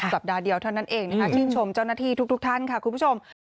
สัปดาห์เดียวเท่านั้นเองนะคะชื่นชมเจ้าหน้าที่ทุกท่านค่ะคุณผู้ชม